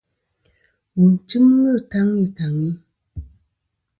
Wu tɨmlɨ taŋi taŋi.